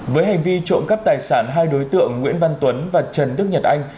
với hành vi trộm cắp tài sản hai đối tượng nguyễn văn tuấn và trần đức nhật anh